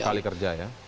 dua kali kerja ya